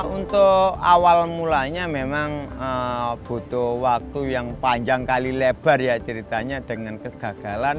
untuk awal mulanya memang butuh waktu yang panjang kali lebar ya ceritanya dengan kegagalan